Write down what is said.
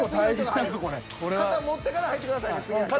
肩持ってから入ってくださいね次の人。